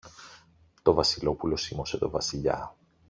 Το Βασιλόπουλο σίμωσε το Βασιλιά.